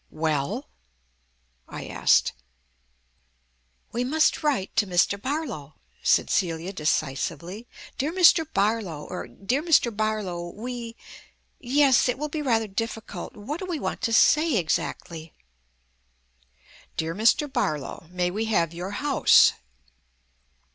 "Well!" I asked. "We must write to Mr. Barlow," said Celia decisively. "'Dear Mr. Barlow, er Dear Mr. Barlow we ' Yes, it will be rather difficult. What do we want to say exactly?" "'Dear Mr. Barlow May we have your house?'"